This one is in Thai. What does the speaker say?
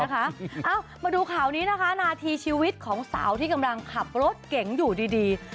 เอ้ามาดูข่าวนี้นะคะนาทีชีวิตของสาวที่กำลังขับรถเก๋งอยู่ดี